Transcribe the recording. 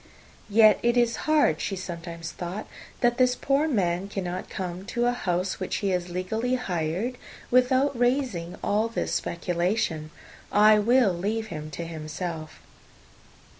"Yet it is hard," she sometimes thought, "that this poor man cannot come to a house, which he has legally hired, without raising all this speculation! I will leave him to himself."